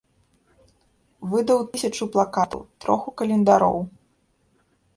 Выдаў тысячу плакатаў, троху календароў.